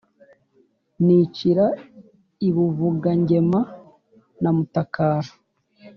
nicira i Buvugangema na Mutakara,